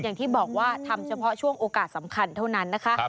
อย่างที่บอกว่าทำเฉพาะช่วงโอกาสสำคัญเท่านั้นนะคะ